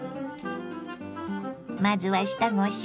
まずは下ごしらえ。